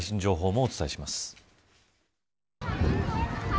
最新情報もお伝えします。